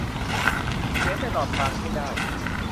เขียนในหลอดพลังให้ได้